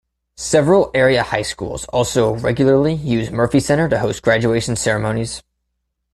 Several area high schools also regularly use Murphy Center to host graduation ceremonies.